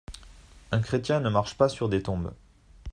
Un chrétien ne marche pas sur des tombes.